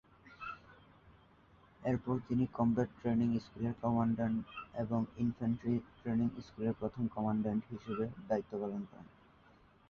এরপর তিনি combat training স্কুলের কমান্ড্যান্ট এবং ইনফ্যান্ট্রি ট্রেনিং স্কুলের প্রথম কমান্ড্যান্ট হিসেবে দায়িত্ব পালন করেন।